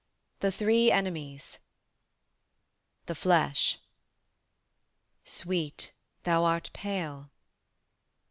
THE THREE ENEMIES. THE FLESH. "Sweet, thou art pale."